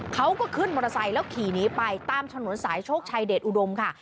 เขาก็ขึ้นมอเตอร์ไซค์แล้วขี่หนีไปตามถนนสายโชคชัยเดชอุดมค่ะ